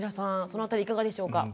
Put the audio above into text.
そのあたりいかがでしょうか？